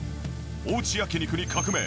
おうち焼き肉に革命。